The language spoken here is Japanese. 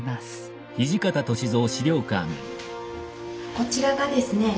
こちらがですね